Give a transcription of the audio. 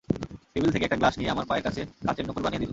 Table থেকে একটা glass নিয়ে আমার পায়ের কাছে কাচের নূপুর বানিয়ে দিল।